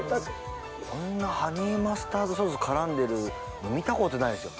こんなハニーマスタードソース絡んでるの見たことないですよ。